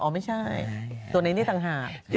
อ้อไม่ใช่ตัวในนี้ต่างหาก